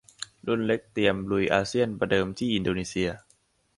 รุ่นเล็กเตรียมลุยอาเซียนประเดิมที่อินโดนีเซีย